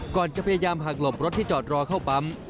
ก่อนจะพยายามหักหลบรถที่จอดรอเข้าปั๊ม